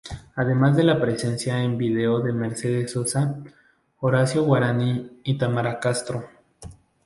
Además de la presencia en video de Mercedes Sosa, Horacio Guarany y Tamara Castro.